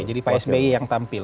jadi pak sby yang tampil